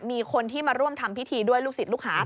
มีคนที่มาร่วมทำพิธีด้วยลูกศิษย์ลูกหา